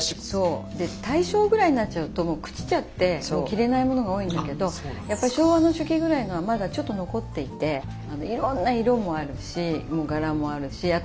そう大正ぐらいになっちゃうともう朽ちちゃって着れないものが多いんだけど昭和の初期ぐらいのはまだちょっと残っていていろんな色もあるし柄もあるし